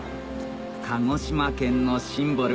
鹿児島県のシンボル